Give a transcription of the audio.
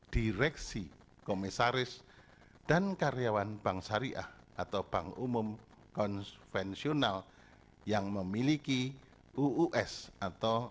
direksi komisaris dan karyawan bank syariah atau bank umum konvensional yang memiliki uus atau